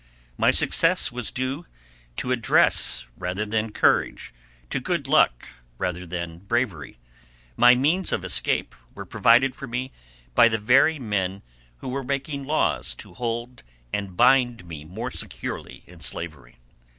My success was due to address rather than courage, to good luck rather than bravery. My means of escape were provided for me by the very men who were making laws to hold and bind me more securely in slavery.